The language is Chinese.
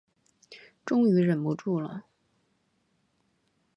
终于忍不住了